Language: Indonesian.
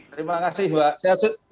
terima kasih mbak